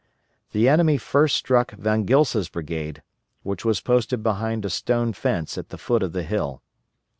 The enemy first struck Von Gilsa's brigade, which was posted behind a stone fence at the foot of the hill.